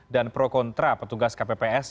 dan pro kontra petugas kpps